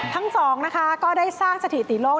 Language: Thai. ทั้งสองนะคะก็ได้สร้างสถิติโลก